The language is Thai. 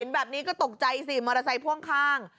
แบบนี้ก็ตกใจสิมอเตอร์ไซค์พ่วงข้าง